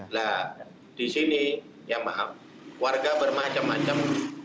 nah disini ya maaf warga bermacam macam